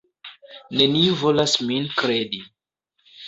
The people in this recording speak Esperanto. Neniu volas min kredi.